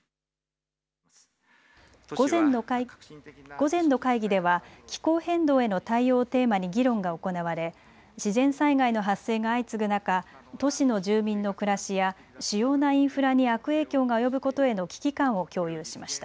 午前の会議では気候変動への対応をテーマに議論が行われ自然災害の発生が相次ぐ中、都市の住民の暮らしや主要なインフラに悪影響が及ぶことへの危機感を共有しました。